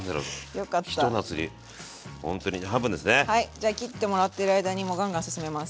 じゃあ切ってもらってる間にもうガンガン進めます。